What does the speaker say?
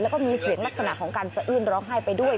แล้วก็มีเสียงลักษณะของการสะอื้นร้องไห้ไปด้วย